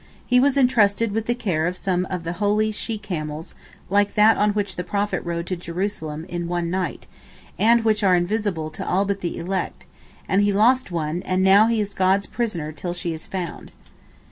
He was entrusted with the care of some of the holy she camels, like that on which the Prophet rode to Jerusalem in one night, and which are invisible to all but the elect, and he lost one, and now he is God's prisoner till she is found.